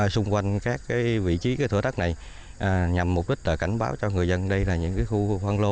xung quanh các vị trí thửa đất này nhằm mục đích cảnh báo cho người dân đây là những khu khoang lô